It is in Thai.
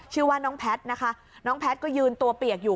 ชื่อว่าน้องแพทย์นะคะน้องแพทย์ก็ยืนตัวเปียกอยู่